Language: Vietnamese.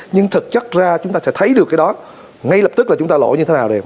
nhưng thực chất ra chúng ta sẽ thấy được cái đó ngay lập tức là chúng ta lỗi như thế nào